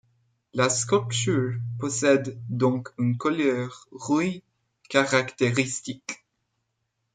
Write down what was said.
La sculpture possède donc une couleur rouille caractéristique.